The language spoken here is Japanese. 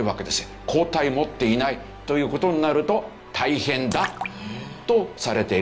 抗体持っていないという事になると大変だとされている。